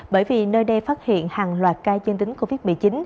bởi vì nơi đây phát hiện hàng loạt ca dương tính covid một mươi chín